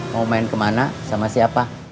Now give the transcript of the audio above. mau main kemana sama siapa